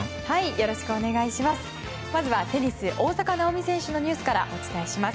よろしくお願いします。